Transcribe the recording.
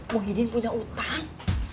mungkin punya utang